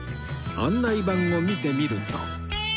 案内板を見てみると